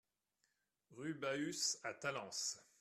Rue Bahus à Talence